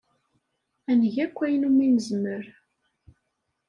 Ad neg akk ayen umi nezmer.